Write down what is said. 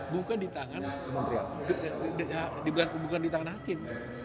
bukan di tangan hakim